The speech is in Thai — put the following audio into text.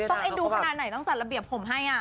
ต้องเอ็นดูประมานไหนจัดระเบียบผมให้